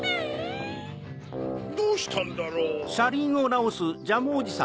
どうしたんだろう？